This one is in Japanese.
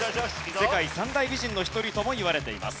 世界三大美人の一人ともいわれています。